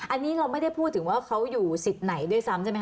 อันนี้เราไม่ได้พูดถึงว่าเขาอยู่สิทธิ์ไหนด้วยซ้ำใช่ไหมค